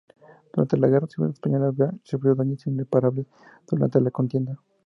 Durante la guerra civil española, Beas sufrió daños irreparables durante la contienda.